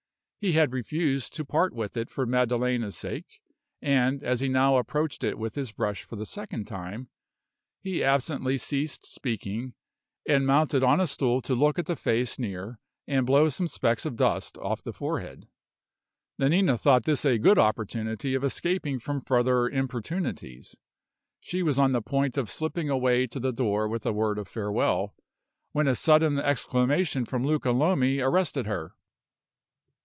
He had refused to part with it for Maddalena's sake; and, as he now approached it with his brush for the second time, he absently ceased speaking, and mounted on a stool to look at the face near and blow some specks of dust off the forehead. Nanina thought this a good opportunity of escaping from further importunities. She was on the point of slipping away to the door with a word of farewell, when a sudden exclamation from Luca Lomi arrested her.